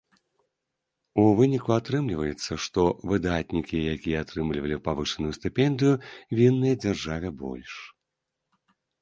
У выніку атрымліваецца, што выдатнікі, якія атрымлівалі павышаную стыпендыю, вінныя дзяржаве больш.